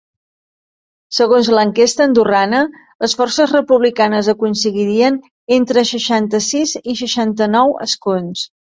Segons l’enquesta andorrana, les forces republicanes aconseguirien entre seixanta-sis i seixanta-nou escons.